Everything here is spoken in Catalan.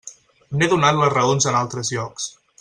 N'he donat les raons en altres llocs.